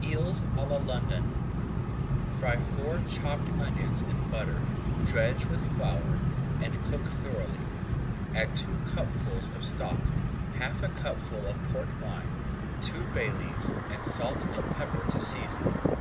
EELS À LA LONDON Fry four chopped onions in butter, dredge [Page 119] with flour, and cook thoroughly. Add two cupfuls of stock, half a cupful of Port wine, two bay leaves, and salt and pepper to season.